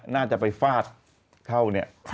น่าจะไปฟาดเข้า